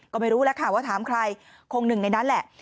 ก็ไม่รู้แล้วค่ะว่าถามใครคงหนึ่งในนั้นแหละ